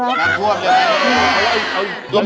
อาหารการกิน